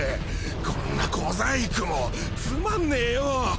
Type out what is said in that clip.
こんな小細工もつまんねぇよ！